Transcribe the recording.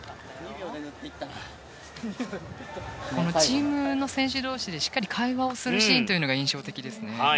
チームの選手同士でしっかり会話をするシーンが印象的ですね。